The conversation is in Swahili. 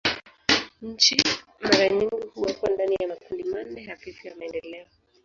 Nchi mara nyingi huwekwa ndani ya makundi manne hafifu ya maendeleo.